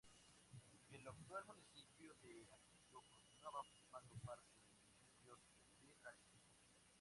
El actual municipio de Hatillo continuaba formando parte del municipio de Arecibo.